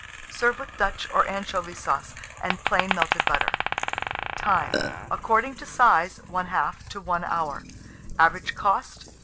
Serve with Dutch or anchovy sauce, and plain melted butter. Time. According to size, 1/2 to 1 hour. Average cost.